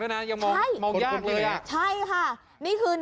ไหนคนก่อน